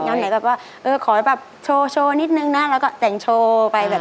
ไหนแบบว่าเออขอแบบโชว์โชว์นิดนึงนะแล้วก็แต่งโชว์ไปแบบ